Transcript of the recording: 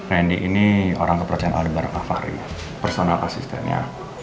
randy ini orang kepercayaan alibar afari personal asistennya